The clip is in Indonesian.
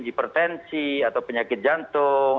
hipertensi atau penyakit jantung